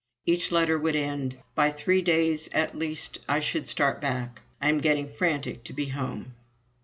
Each letter would end: "By three days at least I should start back. I am getting frantic to be home."